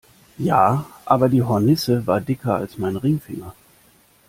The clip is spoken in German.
Ja, aber die Hornisse war dicker als mein Ringfinger!